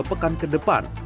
dan akan ke depan